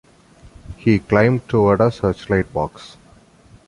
He climbed toward a searchlight box.